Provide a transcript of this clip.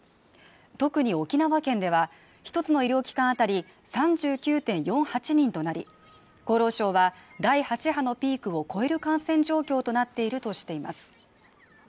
特に沖縄県では、一つの医療機関あたり３９．４８人となり、厚労省は第８波のピークを超える感染状況となっているとしています。